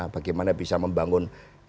bagaimana bisa membangun